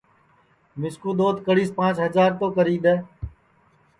مِسکُو دؔوت کڑیس پانٚچ ہجار تو کری دؔے